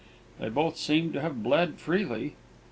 They both seemed to have bled freely.